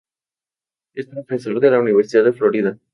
Es profesor de la Universidad de Florida.